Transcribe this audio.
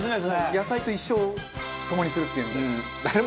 野菜と一生を共にするっていうので。